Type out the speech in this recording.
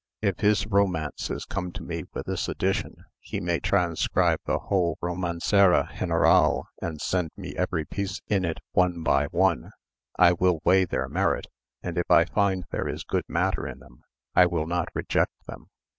If his romances come to me with this addition, he may transscribe the whole Romancero General and send me every piece in it one by one. I will weigh their merit; and if I find there is good matter in them, I will not reject them.